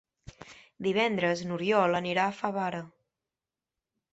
Divendres n'Oriol anirà a Favara.